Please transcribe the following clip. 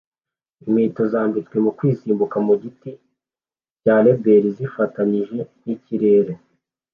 Inkweto zambitswe mukwisimbuka kugiti cya reberi zifatanije nikirere